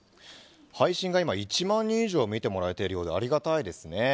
配信が今、１万人以上見てもらえているようでありがたいですね。